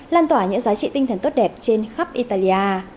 lan tỏa những giá trị tinh thần tốt đẹp trên khắp italia